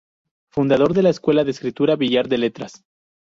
Fundador de la escuela de escritura Billar de letras.